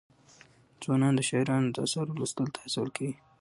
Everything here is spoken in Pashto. ځوانان د شاعرانو د اثارو لوستلو ته هڅول کېږي.